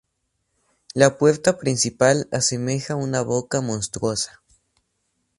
La puerta principal asemeja una boca monstruosa.